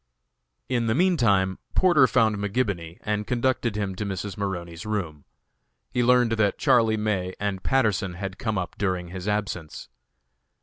In the meantime Porter found McGibony, and conducted him to Mrs. Maroney's room. He learned that Charlie May and Patterson had come up during his absence.